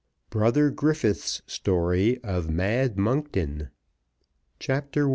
BROTHER GRIFFITH'S STORY of MAD MONKTON CHAPTER I.